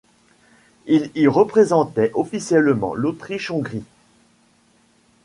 Il y représentait officiellement l’Autriche-Hongrie.